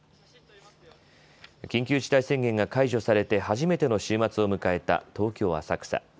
緊急事態宣言が解除されて初めての週末を迎えた東京浅草。